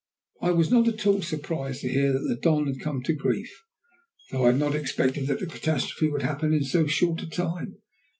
I was not at all surprised to hear that the Don had come to grief, though I had not expected that the catastrophe would happen in so short a time.